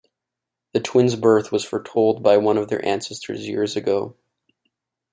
The twins' birth was foretold by one of their ancestors years ago.